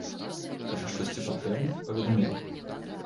Калі штосьці патрэбна, паведамляй.